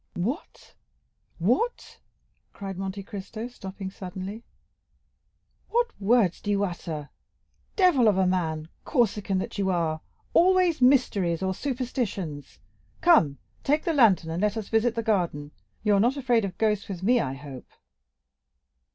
"What, what!" cried Monte Cristo, stopping suddenly, "what words do you utter? Devil of a man, Corsican that you are—always mysteries or superstitions. Come, take the lantern, and let us visit the garden; you are not afraid of ghosts with me, I hope?"